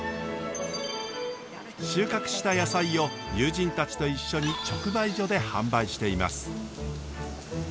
収穫した野菜を友人たちと一緒に直売所で販売しています。